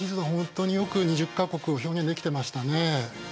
本当によく２０か国を表現できてましたね。